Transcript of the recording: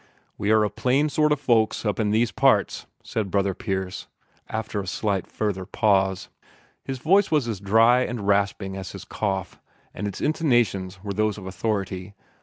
"We are a plain sort o' folks up in these parts," said Brother Pierce, after a slight further pause. His voice was as dry and rasping as his cough, and its intonations were those of authority.